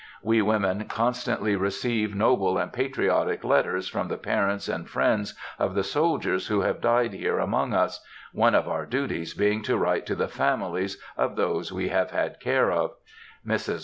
We women constantly receive noble and patriotic letters from the parents and friends of the soldiers who have died here among us, one of our duties being to write to the families of those we have had care of. Mrs.